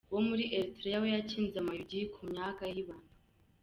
Uwo muri Eritrea we yakinze amayugi ku myanya y’ibanga.